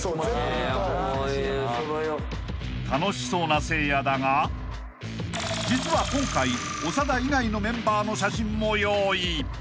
［楽しそうなせいやだが実は今回長田以外のメンバーの写真も用意］